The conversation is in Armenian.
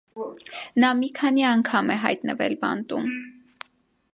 Նա մի քանի անգամ հայտնվել է բանտում։